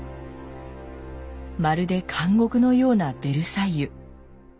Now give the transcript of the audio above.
まるで監獄のようなヴェルサイユ。